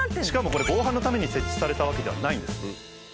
しかもこれ防犯のために設置されたわけではないんです。